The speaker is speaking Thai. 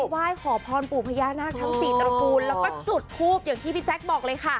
ไหว้ขอพรปู่พญานาคทั้งสี่ตระกูลแล้วก็จุดทูบอย่างที่พี่แจ๊คบอกเลยค่ะ